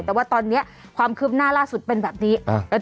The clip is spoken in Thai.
แต่ว่าตอนนี้ความคืบหน้าล่าสุดเป็นแบบนี้